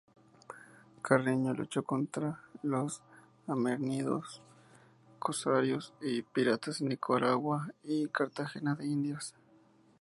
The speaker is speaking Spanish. Carreño luchó contra los amerindios, corsarios y piratas en Nicaragua y Cartagena de Indias.